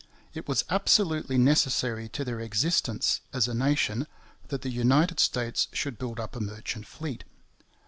It was absolutely necessary to their existence as a nation that the United States should build up a merchant fleet.